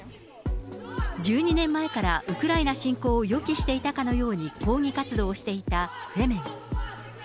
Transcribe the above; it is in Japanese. １２年前から、ウクライナ侵攻を予期していたかのように抗議活動をしていたフェメン。